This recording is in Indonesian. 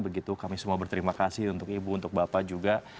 begitu kami semua berterima kasih untuk ibu untuk bapak juga